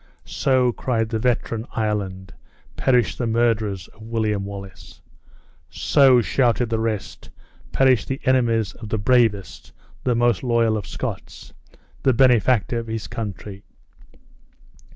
"So," cried the veteran Ireland, "perish the murderers of William Wallace!" "So," shouted the rest, "perish the enemies of the bravest, the most loyal of Scots, the benefactor of his country!"